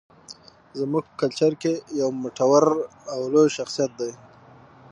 زموږ په کلچر کې يو مټور او لوى شخص دى